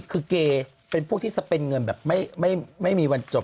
คือเกย์เป็นพวกที่สเปนเงินแบบไม่มีวันจบ